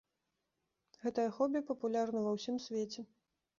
Гэтае хобі папулярна ва ўсім свеце.